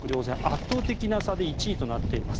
圧倒的な差で１位となっています。